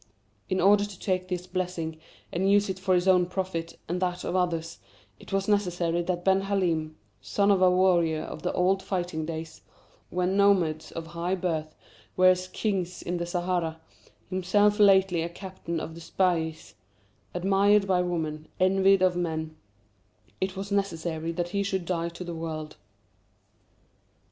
In order to take this blessing and use it for his own profit and that of others, it was necessary that Ben Halim son of a warrior of the old fighting days, when nomads of high birth were as kings in the Sahara, himself lately a captain of the Spahis, admired by women, envied of men it was necessary that he should die to the world."